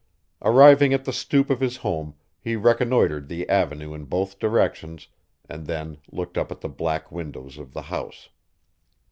Arriving at the stoop of his home he reconnoitered the avenue in both directions and then looked up at the black windows of the house.